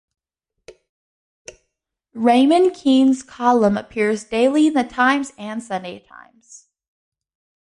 Raymond Keene's column appears daily in "The Times" and "Sunday Times".